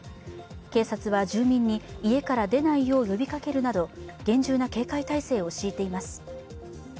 警察は住民に家から出ないよう呼びかけるなど厳重な警戒態勢を敷いています。